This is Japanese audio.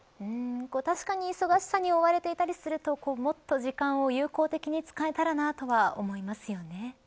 確かに忙しさに追われていたりするともっと時間を有効的に使えたらなと思いますよね。